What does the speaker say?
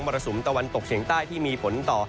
รสุมตะวันตกเฉียงใต้ที่มีผลต่อ